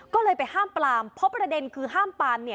ก็เลยไปห้ามปลามเพราะประเด็นคือห้ามปลาม